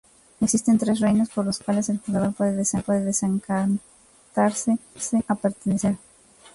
Existen tres reinos por los cuales el jugador puede decantarse a pertenecer.